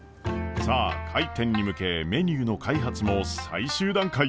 さあ開店に向けメニューの開発も最終段階。